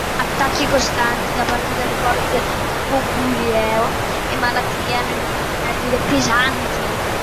Attacchi costanti da parte delle forze Goguryeo e malattie hanno inflitto perdite pesanti.